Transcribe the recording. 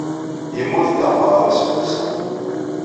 Yemmut d amɣar, aseggas aya.